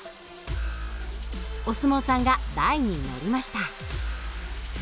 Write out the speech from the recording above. お相撲さんが台に乗りました。